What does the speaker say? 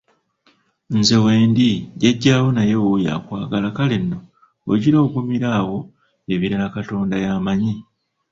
Nze wendi, Jjajjaawo naye wuuyo akwagala kale nno ogira ogumira awo ebirala Katonda y'amanyi.